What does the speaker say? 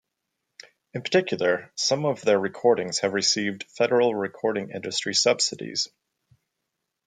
In particular, some of their recordings have received federal recording industry subsidies.